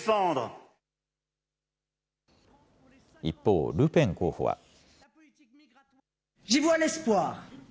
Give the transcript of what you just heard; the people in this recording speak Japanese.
一方、ルペン候補は。